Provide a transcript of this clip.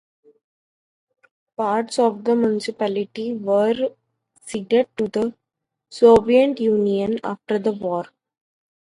Parts of the municipality were ceded to the Soviet Union after the war.